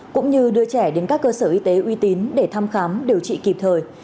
cũng như đưa trẻ đến các cơ sở y tế uy tín để thăm khám điều trị kịp thời